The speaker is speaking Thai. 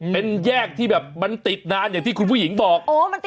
เป็นแยกที่แบบมันติดนานอย่างที่คุณผู้หญิงบอก